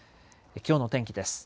きょうの天気です。